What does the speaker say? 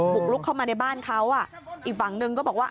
บุกลุกเข้ามาในบ้านเขาอ่ะอีกฝั่งหนึ่งก็บอกว่า